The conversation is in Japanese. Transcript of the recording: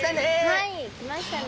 はい来ましたね。